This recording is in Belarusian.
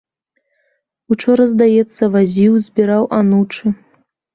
Учора, здаецца, вазіў, збіраў анучы.